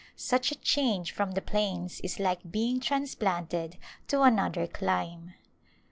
Such a change from the plains is like being transplanted to another clime.